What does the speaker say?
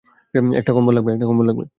একটা কম্বল লাগবে?